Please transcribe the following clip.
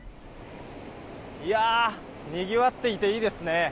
にぎわっていていいですね。